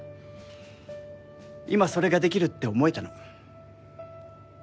今それができるって思えたの。